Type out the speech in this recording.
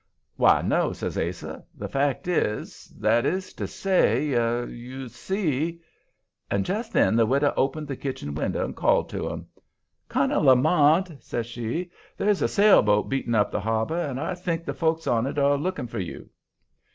"Why, no," says Ase. "The fact is that is to say you see " And just then the widow opened the kitchen window and called to 'em. "Colonel Lamont," says she, "there's a sailboat beating up the harbor, and I think the folks on it are looking for you."